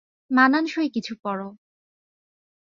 মানানসই কিছু পড়ো।